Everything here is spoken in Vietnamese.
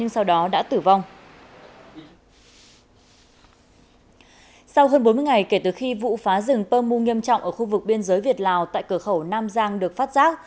sau hơn bốn mươi ngày kể từ khi vụ phá rừng pơ mu nghiêm trọng ở khu vực biên giới việt lào tại cửa khẩu nam giang được phát giác